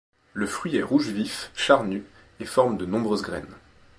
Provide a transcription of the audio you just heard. Le fruit est rouge vif, charnu, et forme de nombreuses graines.